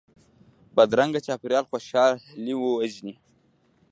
بدرنګه چاپېریال خوشحالي وژني